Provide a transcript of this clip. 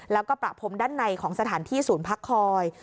แล้วก็ประพรมด้านในของสถานที่ศูนย์พักคอย